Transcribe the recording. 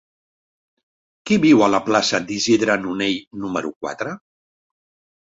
Qui viu a la plaça d'Isidre Nonell número quatre?